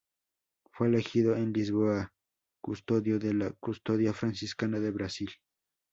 Fue elegido en Lisboa custodio de la Custodia Franciscana de Brasil.